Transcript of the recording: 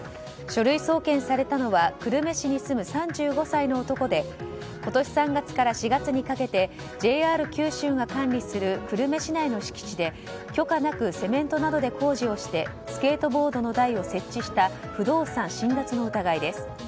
書類送検されたのは久留米市に住む３５歳の男で今年３月から４月にかけてＪＲ九州が管理する久留米市内の敷地で許可なくセメントなどで工事をしてスケートボードの台を設置した不動産侵奪の疑いです。